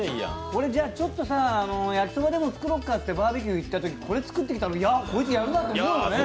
俺、ちょっと焼きそばでも作ろうかって言ってバーベキュー行ったとき、これ作ってきたら、こいつ、やるな！と思うよね。